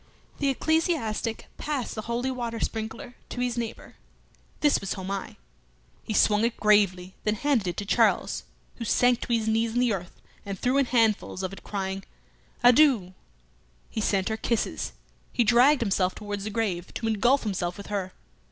The ecclesiastic passed the holy water sprinkler to his neighbour. This was Homais. He swung it gravely, then handed it to Charles, who sank to his knees in the earth and threw in handfuls of it, crying, "Adieu!" He sent her kisses; he dragged himself towards the grave, to engulf himself with her.